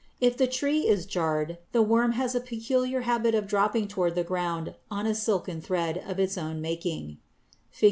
If the tree is jarred, the worm has a peculiar habit of dropping toward the ground on a silken thread of its own making (Fig.